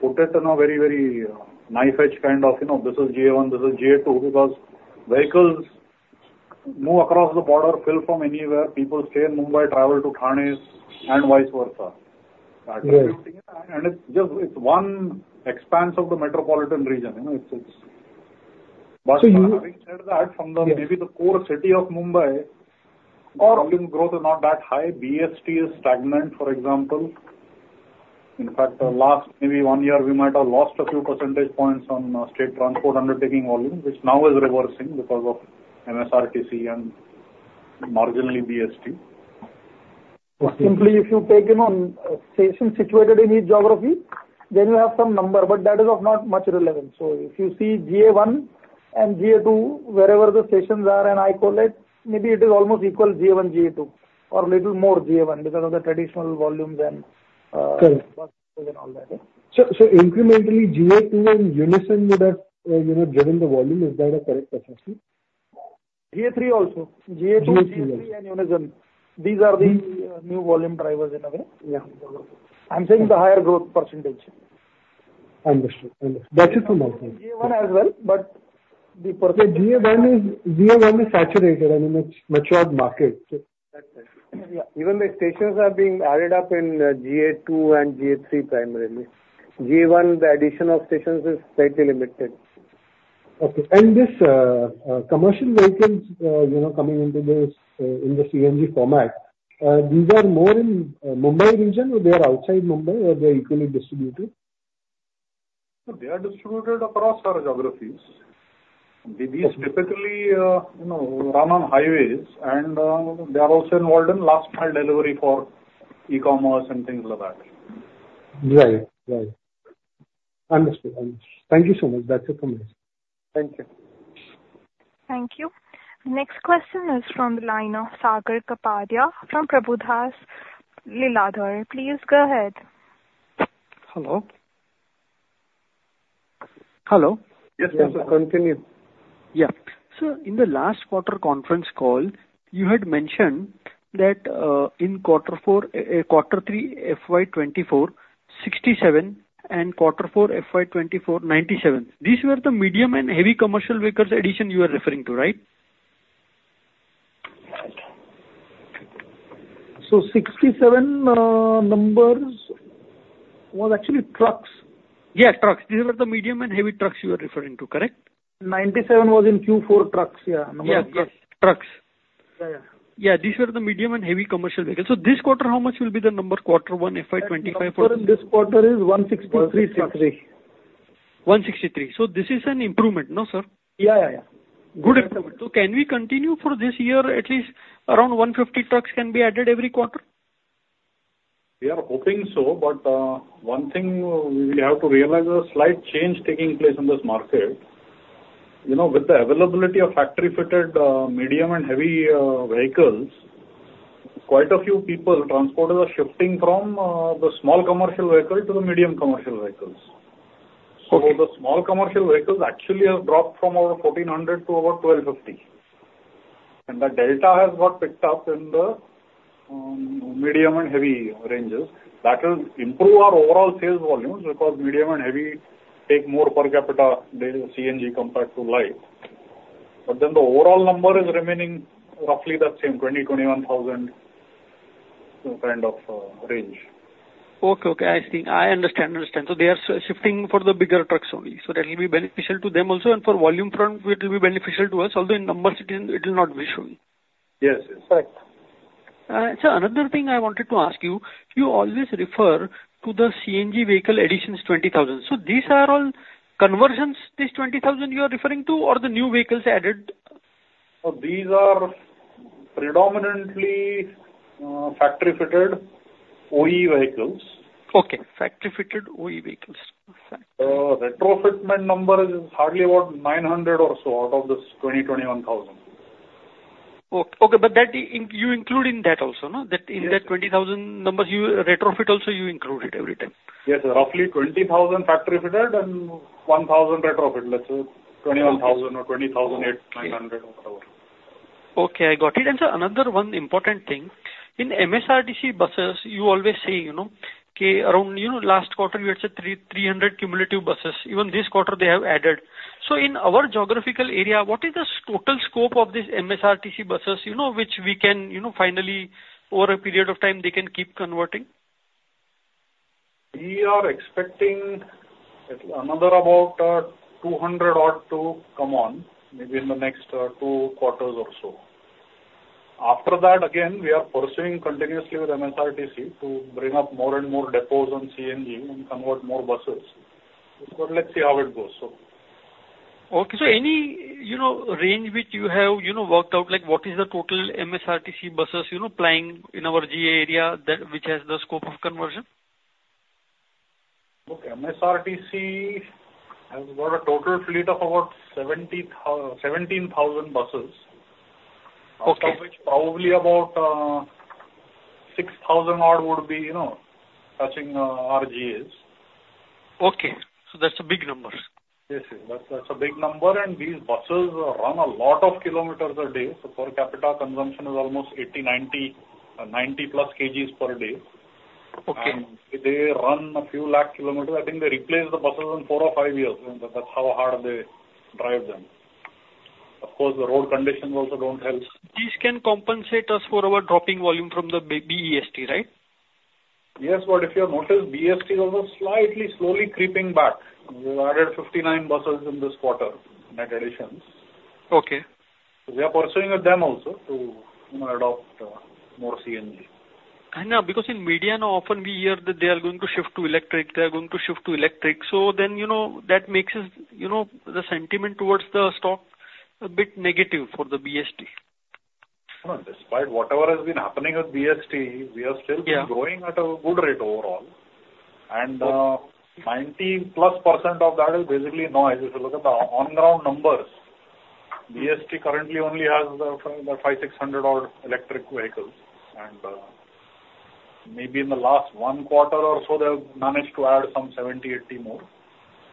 put it in a very, very, knife edge kind of, you know, this is GA one, this is GA two, because vehicles move across the border, fill from anywhere. People stay in Mumbai, travel to Thane, and vice versa. Right. It's just one expanse of the metropolitan region, you know, it's, it's— So you- Having said that, from maybe the core city of Mumbai- Or- Growth is not that high. BEST is stagnant, for example. In fact, the last maybe one year, we might have lost a few percentage points on state transport undertaking volume, which now is reversing because of MSRTC and marginally, BEST. Simply, if you take in on station situated in each geography, then you have some number, but that is of not much relevance. So if you see GA 1 and GA 2, wherever the stations are in each one it, maybe it is almost equal GA 1, GA 2, or little more GA 1 because of thetraditional volumes and, Correct. And all that. So incrementally, GA 2 and Unison would have, you know, driven the volume. Is that a correct assessment? GA 3 also. GA 2- GA three. GA 3 and Unison. These are the- Mm New volume drivers in a way? Yeah. I'm saying the higher growth percentage. Understood. Understood. That is true also. GA one as well, but the percentage- GA 1 is saturated and a much matured market. That's it. Yeah. Even the stations are being added up in GA 2 and GA 3, primarily. GA 1, the addition of stations is slightly limited. Okay. And this commercial vehicles, you know, coming into this in the CNG format, these are more in Mumbai region or they are outside Mumbai, or they're equally distributed? No, they are distributed across our geographies. Yes. These typically, you know, run on highways, and they are also involved in last mile delivery for e-commerce and things like that. Right. Right. Understood. Understood. Thank you so much. That's it from me. Thank you. Thank you. Next question is from the line of Sagar Kapadia, from Prabhudas Lilladher. Please go ahead. Hello? Hello. Yes, sir. Continue. Yeah. So in the last quarter conference call, you had mentioned that, in quarter 3, FY 2024, 67, and quarter 4, FY 2024, 97. These were the medium and heavy commercial vehicles addition you were referring to, right? So 67 numbers was actually trucks. Yeah, trucks. These were the medium and heavy trucks you were referring to, correct? 97 was in Q4 trucks, yeah. Yes, yes, trucks. Yeah. Yeah, these were the medium and heavy commercial vehicles. So this quarter, how much will be the number, quarter one, FY25? For in this quarter is 163 trucks. 163. So this is an improvement, no, sir? Yeah, yeah, yeah. Good improvement. So can we continue for this year, at least around 150 trucks can be added every quarter? We are hoping so, but one thing we have to realize is a slight change taking place in this market. You know, with the availability of factory-fitted, medium and heavy, vehicles, quite a few people, transporters, are shifting from the small commercial vehicle to the medium commercial vehicles. Okay. So the small commercial vehicles actually have dropped from over 1,400 to about 1,250. And the delta has got picked up in the medium and heavy ranges. That will improve our overall sales volumes, because medium and heavy take more per capita than CNG compared to light. But then the overall number is remaining roughly the same, 20,000-21,000, kind of, range. Okay, okay. I see. I understand, understand. So they are shifting for the bigger `trucks only, so that will be beneficial to them also, and for volume front, it will be beneficial to us, although in numbers it will, it will not be showing. Yes, yes, right. Sir, another thing I wanted to ask you: you always refer to the CNG vehicle additions, 20,000. So these are all conversions, this 20,000 you are referring to, or the new vehicles added? These are predominantly factory-fitted OE vehicles. Okay, factory-fitted OE vehicles. Retrofitment number is hardly about 900 or so out of this 21,000. Okay, but that, you include in that also, no? Yes. That in that 20,000 numbers, you retrofit also, you include it every time. Yes, roughly 20,000 factory fitted and 1,000 retrofit, let's say 21,000 or 20,800 or whatever. Okay, I got it. And sir, another one important thing, in MSRTC buses, you always say, you know, around, you know, last quarter you had said 300 cumulative buses, even this quarter they have added. So in our geographical area, what is the total scope of this MSRTC buses, you know, which we can, you know, finally over a period of time, they can keep converting? We are expecting another about two hundred odd to come on, maybe in the next two quarters or so. After that, again, we are pursuing continuously with MSRTC to bring up more and more depots on CNG and convert more buses. But let's see how it goes, so. Okay, so any, you know, range which you have, you know, worked out, like what is the total MSRTC buses, you know, plying in our GA area, that which has the scope of conversion? Look, MSRTC has got a total fleet of about 17,000 buses. Okay. Of which probably about 6,000-odd would be, you know, touching our GAs. Okay, so that's a big number. Yes, yes, that's, that's a big number, and these buses run a lot of kilometers a day, so per capita consumption is almost 80, 90, 90-plus kg per day. Okay. They run a few lakh kilometers. I think they replace the buses in 4 or 5 years, and that's how hard they drive them. Of course, the road conditions also don't help. These can compensate us for our dropping volume from the BEST, right? Yes, but if you have noticed, BST is also slightly slowly creeping back. We've added 59 buses in this quarter, net additions. Okay.... We are pursuing with them also to, you know, adopt more CNG. I know, because in media now, often we hear that they are going to shift to electric, they are going to shift to electric. So then, you know, that makes us, you know, the sentiment towards the stock a bit negative for the BEST. No, despite whatever has been happening with BEST, we are still- Yeah growing at a good rate overall. And, 90+% of that is basically noise. If you look at the on-ground numbers, BEST currently only has 500-600 odd electric vehicles, and maybe in the last one quarter or so, they have managed to add some 70-80 more.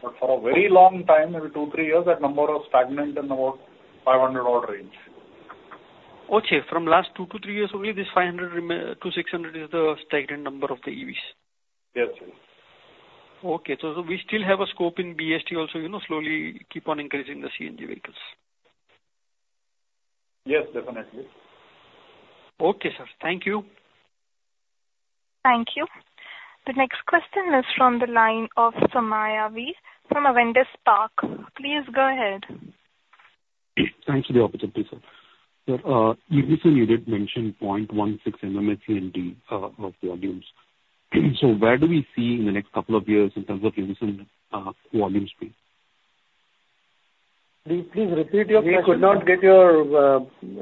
But for a very long time, maybe 2-3 years, that number was stagnant in about 500 odd range. Okay. From last 2 years-3 years only, this 500 to 600 is the stagnant number of the EVs? Yes, sir. Okay. So we still have a scope in BEST also, you know, slowly keep on increasing the CNG vehicles. Yes, definitely. Okay, sir. Thank you. Thank you. The next question is from the line of Somaiah Valiyappan from Avendus Spark. Please go ahead. Thanks for the opportunity, sir. So, you recently did mention 0.16 MMSCMD of volumes. So where do we see in the next couple of years in terms of Unison volume space? Please, please repeat your question. We could not get your,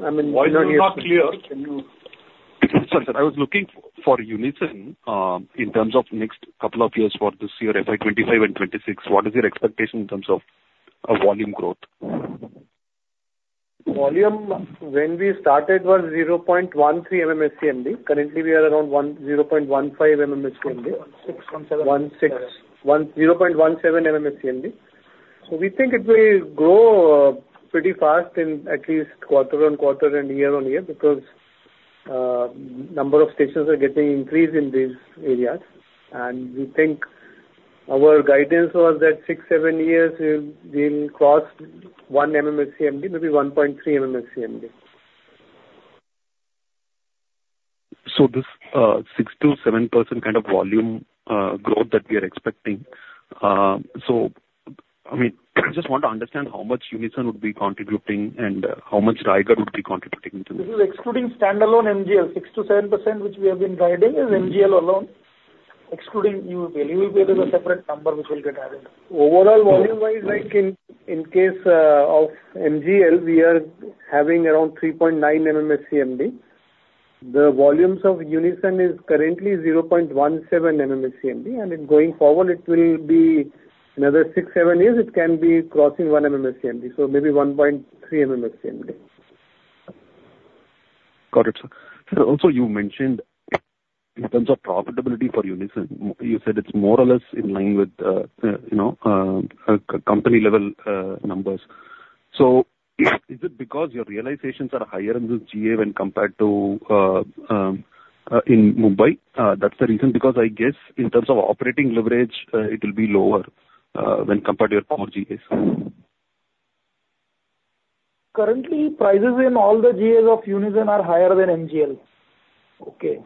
I mean- Voice is not clear. Sorry, sir. I was looking for Unison, in terms of next couple of years for this year, FY 25 and 26, what is your expectation in terms of, volume growth? Volume, when we started was 0.13 MMSCMD. Currently, we are around 0.15 MMSCMD. 16, 17. 0.17 MMSCMD. So we think it will grow pretty fast in at least quarter-on-quarter and year-on-year, because number of stations are getting increased in these areas. And we think our guidance was that 6-7 years, we'll, we'll cross 1 MMSCMD, maybe 1.3 MMSCMD. So this 6%-7% kind of volume growth that we are expecting, so, I mean, I just want to understand how much Unison would be contributing and how much Raigad would be contributing to this. This is excluding standalone MGL. 6%-7%, which we have been guiding, is MGL alone, excluding UBL. UBL is a separate number which will get added. Overall volume-wise, like in, in case, of MGL, we are having around 3.9 MMSCMD. The volumes of Unison is currently 0.17 MMSCMD, and in going forward, it will be another six, seven years, it can be crossing 1 MMSCMD, so maybe 1.3 MMSCMD. Got it, sir. Sir, also, you mentioned in terms of profitability for Unison, you said it's more or less in line with, you know, company level numbers. So, is it because your realizations are higher in the GA when compared to in Mumbai? That's the reason, because I guess in terms of operating leverage, it will be lower when compared to your core GAs. Currently, prices in all the GAs of Unison are higher than MGL. Okay.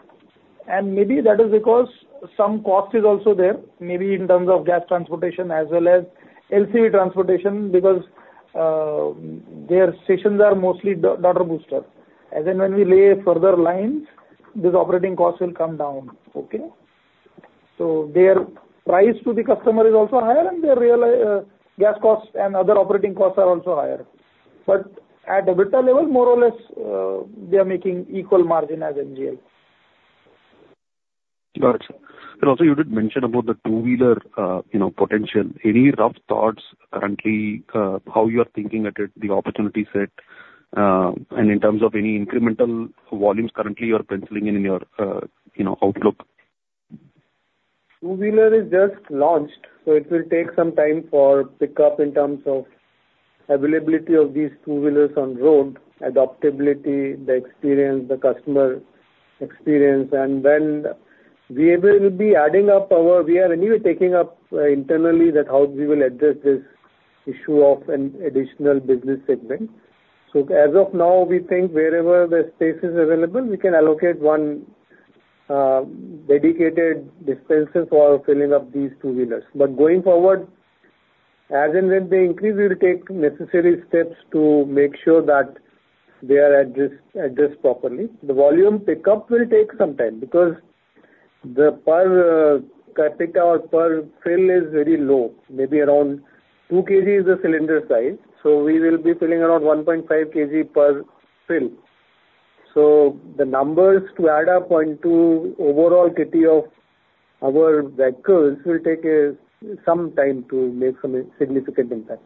And maybe that is because some cost is also there, maybe in terms of gas transportation as well as LCV transportation, because their stations are mostly daughter booster. And then when we lay further lines, these operating costs will come down. Okay? So their price to the customer is also higher, and their realized gas costs and other operating costs are also higher. But at EBITDA level, more or less, they are making equal margin as MGL. Got you. And also, you did mention about the two-wheeler, you know, potential. Any rough thoughts currently, how you are thinking at it, the opportunity set, and in terms of any incremental volumes currently you're penciling in, in your, you know, outlook? Two-wheeler is just launched, so it will take some time for pickup in terms of availability of these two-wheelers on road, adoptability, the experience, the customer experience. And when we will be adding up our... We are anyway taking up internally that how we will address this issue of an additional business segment. So as of now, we think wherever the space is available, we can allocate one dedicated dispenser for filling up these two-wheelers. But going forward, as and when they increase, we will take necessary steps to make sure that they are addressed, addressed properly. The volume pickup will take some time, because the per capita or per fill is very low, maybe around 2 kg is the cylinder size, so we will be filling around 1.5 kg per fill. So the numbers to add up point to overall kitty of our vehicles will take some time to make some significant impact.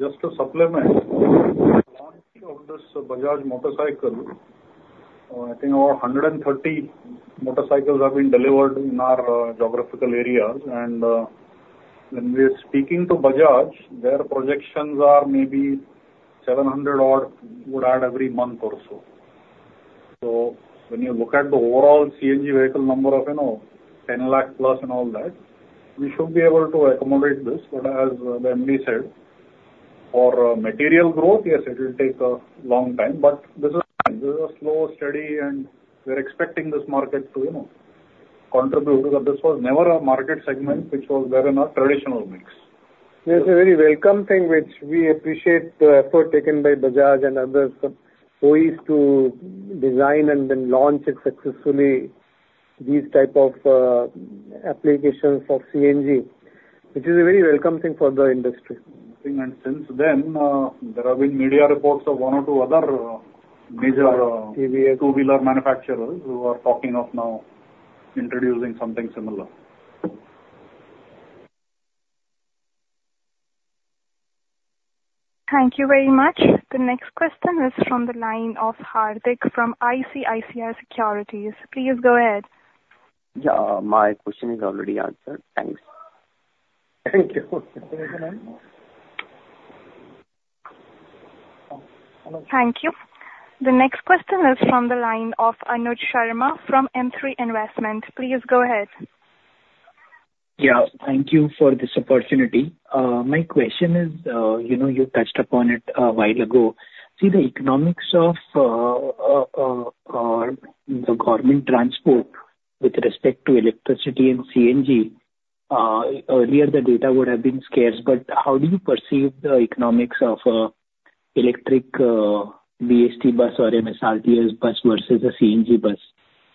Just to supplement, on this Bajaj motorcycle, I think over 130 motorcycles have been delivered in our geographical areas. And when we are speaking to Bajaj, their projections are maybe 700 odd would add every month or so. So when you look at the overall CNG vehicle number of, you know, 10 lakh plus and all that, we should be able to accommodate this. But as the MD said, for material growth, yes, it will take a long time, but this is a slow, steady, and we're expecting this market to, you know, contribute. This was never a market segment which was there in our traditional mix. It's a very welcome thing which we appreciate the effort taken by Bajaj and others, so is to design and then launch it successfully, these type of applications for CNG, which is a very welcome thing for the industry. Since then, there have been media reports of one or two other major- EVA two-wheeler manufacturers who are talking of now introducing something similar. Thank you very much. The next question is from the line of Hardik from ICICI Securities. Please go ahead. Yeah, my question is already answered. Thanks. Thank you. Thank you. The next question is from the line of Anuj Sharma from M3 Investment. Please go ahead. Yeah, thank you for this opportunity. My question is, you know, you touched upon it a while ago. See, the economics of the government transport with respect to electricity and CNG, earlier the data would have been scarce, but how do you perceive the economics of electric BEST bus or MSRTC bus versus a CNG bus?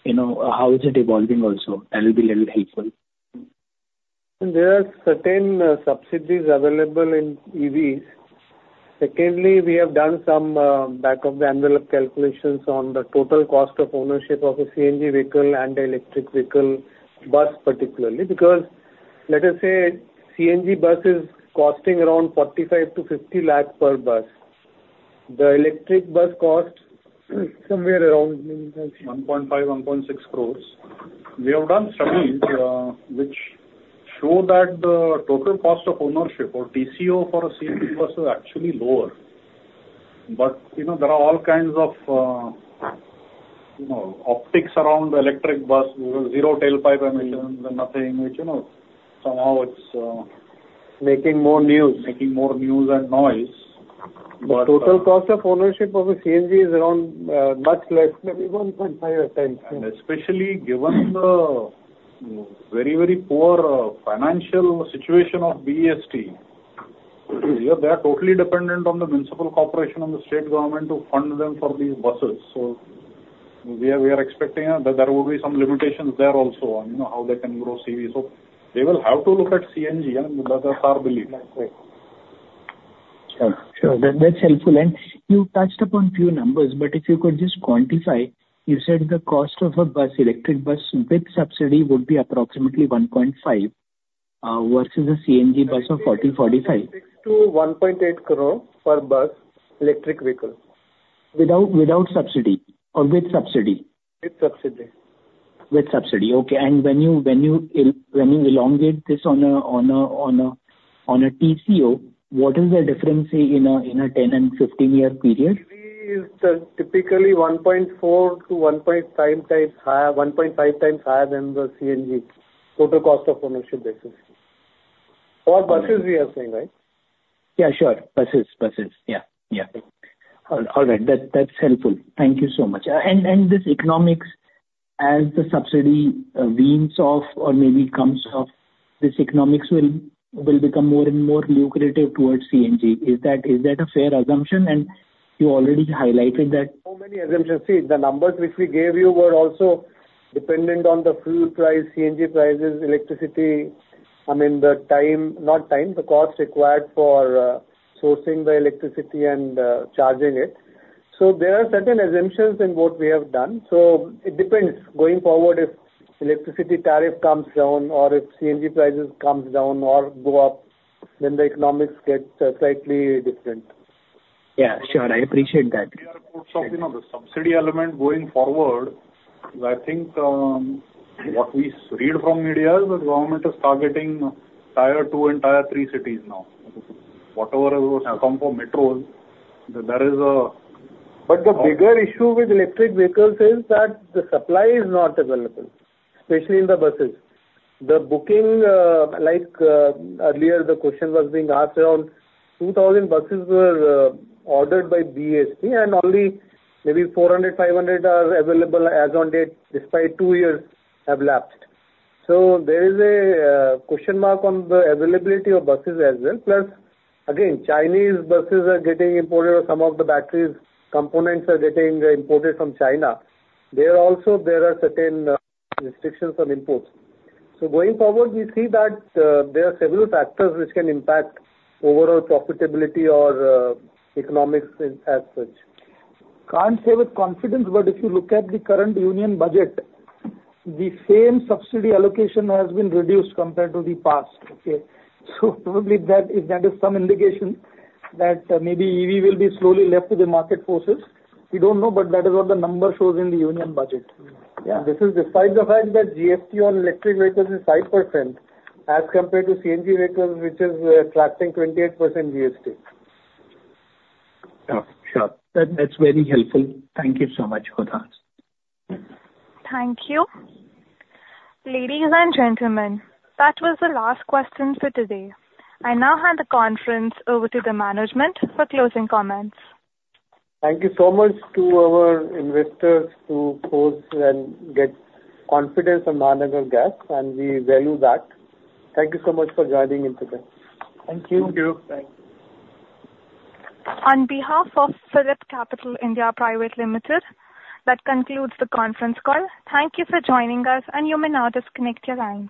You know, how is it evolving also? That will be a little helpful. There are certain subsidies available in EVs. Secondly, we have done some back-of-the-envelope calculations on the total cost of ownership of a CNG vehicle and electric vehicle, bus, particularly. Because let us say CNG bus is costing around 45 lakh-50 lakh per bus. The electric bus costs somewhere around- 1.5, 1.6 crores. We have done studies, which show that the total cost of ownership or TCO for a CNG bus is actually lower. But, you know, there are all kinds of, you know, optics around the electric bus, zero tailpipe emissions and nothing, which, you know, somehow it's, Making more news. Making more news and noise, but- The total cost of ownership of a CNG is around, much less, maybe 1.5 at times. Especially given the very, very poor financial situation of BEST, here they are totally dependent on the municipal corporation and the state government to fund them for these buses. So we are expecting that there will be some limitations there also on, you know, how they can grow CV. So they will have to look at CNG and that is our belief. That's right. Sure, sure. That's helpful. You touched upon few numbers, but if you could just quantify, you said the cost of a bus, electric bus with subsidy would be approximately 1.5 versus a CNG bus of 40-45. To 1.8 crore per bus, electric vehicle. Without, without subsidy or with subsidy? With subsidy. With subsidy, okay. When you elongate this on a TCO, what is the difference in a 10- and 15-year period? Typically, it's typically 1.4-1.5 times higher, 1.5 times higher than the CNG total cost of ownership basis. For buses, we are saying, right? Yeah, sure. Buses, buses. Yeah, yeah. All right, that's helpful. Thank you so much. And this economics as the subsidy weans off or maybe comes off, this economics will become more and more lucrative towards CNG. Is that a fair assumption? And you already highlighted that. So many assumptions. See, the numbers which we gave you were also dependent on the fuel price, CNG prices, electricity, I mean, the time, not time, the cost required for, sourcing the electricity and, charging it. So there are certain assumptions in what we have done. So it depends, going forward, if electricity tariff comes down or if CNG prices comes down or go up, then the economics gets slightly different. Yeah, sure. I appreciate that. You know, the subsidy element going forward, I think, what we read from media is the government is targeting Tier 2 and Tier 3 cities now. Whatever has come for metros, there is a- But the bigger issue with electric vehicles is that the supply is not available, especially in the buses. The booking, like, earlier, the question was being asked, around 2,000 buses were ordered by BEST, and only maybe 400, 500 are available as on date, despite two years have lapsed. So there is a question mark on the availability of buses as well. Plus, again, Chinese buses are getting imported or some of the batteries components are getting imported from China. There also there are certain restrictions on imports. So going forward, we see that there are several factors which can impact overall profitability or economics as, as such. Can't say with confidence, but if you look at the current Union Budget, the same subsidy allocation has been reduced compared to the past, okay? Probably that, if that is some indication that maybe EV will be slowly left to the market forces. We don't know, but that is what the number shows in the Union Budget. Yeah. This is despite the fact that GST on electric vehicles is 5%, as compared to CNG vehicles, which is attracting 28% GST. Sure, sure. That, that's very helpful. Thank you so much for that. Thank you. Ladies and gentlemen, that was the last question for today. I now hand the conference over to the management for closing comments. Thank you so much to our investors who post and get confidence on Mahanagar Gas, and we value that. Thank you so much for joining in today. Thank you. Thank you. Thanks. On behalf of PhillipCapital (India) Private Limited, that concludes the conference call. Thank you for joining us, and you may now disconnect your lines.